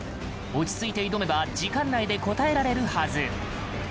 落ち着いて挑めば時間内で答えられるはず。